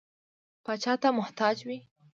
پاچا ته محتاج وي.